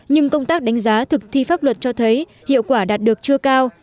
nhưng công tác đánh giá thực thi pháp luật cho thấy hiệu quả đạt được chưa cao